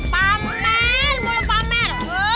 pamer belum pamer